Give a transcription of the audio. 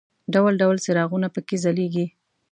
ډول ډول څراغونه په کې ځلېږي.